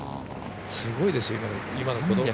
すごいですよ、今の。